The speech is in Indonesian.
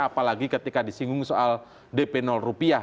apalagi ketika disinggung soal dp rupiah